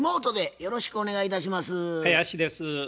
よろしくお願いします。